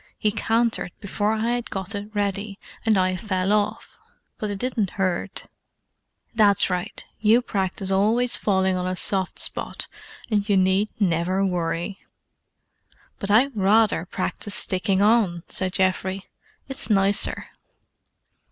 "He cantered before I had gotted ready, and I fell off. But it didn't hurt." "That's right. You practise always falling on a soft spot, and you need never worry." "But I'd rather practise sticking on," said Geoffrey. "It's nicer."